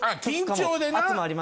緊張でな。